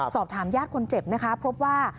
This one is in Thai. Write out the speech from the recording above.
สอบถามญาติคนเจ็บนะคะ